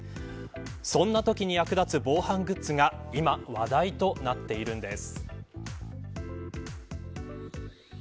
そんなときに役立つ防犯グッズが今、話題となっているんです。